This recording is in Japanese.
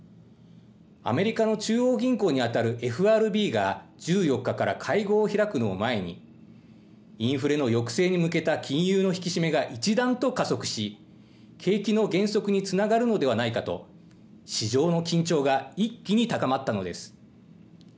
アメリカの中央銀行に当たるＦＲＢが１４日から会合を開くのを前に、インフレの抑制に向けた金融の引き締めが一段と加速し、景気の減速につながるのではないかと、市場の緊張が一気に高まったのです。